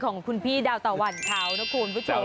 ของคุณพี่ดาวตะวันเขานะคุณผู้ชม